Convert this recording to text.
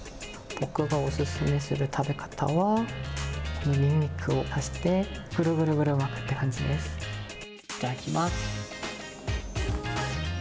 僕がお勧めする食べ方は、このにんにくをパスタでぐるぐる巻くって感じです。